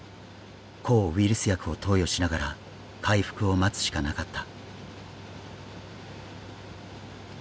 抗ウイルス薬を投与しながら回復を待つしかなかった。